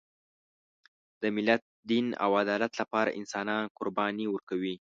د ملت، دین او عدالت لپاره انسانان قرباني ورکوي.